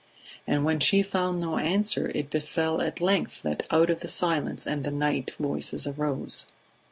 ..." And when she found no answer, it befell at length that out of the silence and the night voices arose.